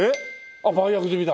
あっ「売約済」だ。